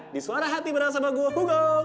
di suara hati berang sama gue hugo